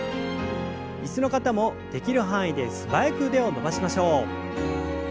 椅子の方もできる範囲で素早く腕を伸ばしましょう。